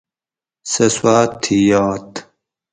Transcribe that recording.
سہۤ سواۤت تھی یات